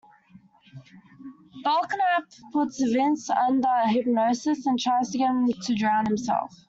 Belknap puts Vince under hypnosis and tries to get him to drown himself.